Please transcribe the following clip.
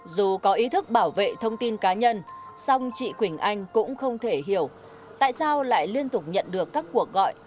dù có ý thức bảo vệ thông tin cá nhân song chị quỳnh anh cũng không thể hiểu tại sao lại liên tục nhận được các cuộc gọi